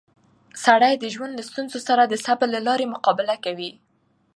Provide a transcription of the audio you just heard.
سړی د ژوند له ستونزو سره د صبر له لارې مقابله کوي